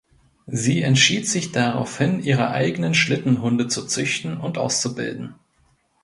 Sie entschied sich daraufhin ihre eigenen Schlittenhunde zu züchten und auszubilden.